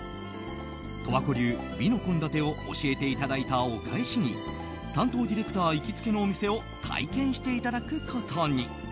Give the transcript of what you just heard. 十和子流美の献立を教えていただいたお返しに担当ディレクター行きつけのお店を体験していただくことに。